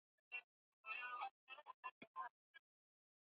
Nchi wanachama wa Jumuiya ya Afrika Mashariki waliwasilisha maombi yao